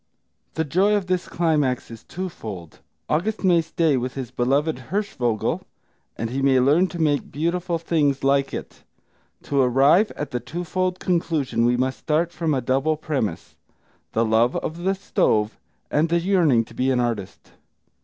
The joy of this climax is twofold: August may stay with his beloved Hirschvogel, and he may learn to make beautiful things like it. To arrive at the twofold conclusion we must start from a double premise, the love of the stove and the yearning to be an artist.